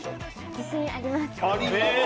自信あります。